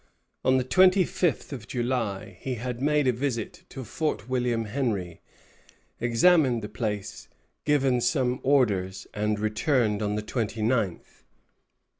On the twenty fifth of July he had made a visit to Fort William Henry, examined the place, given some orders, and returned on the twenty ninth.